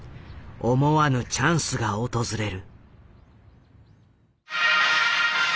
思わぬチャンスが訪れる。